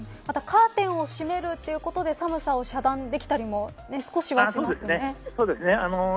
カーテンを閉めるということで寒さを遮断できたりもそうですね。